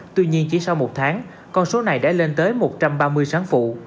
tuy nhiên chỉ sau một tháng con số này đã lên tới một trăm ba mươi sáng phụ